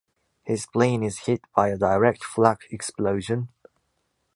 His plane is hit by a direct flak explosion.